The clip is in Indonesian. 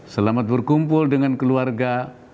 selamat berkumpul dengan keluarga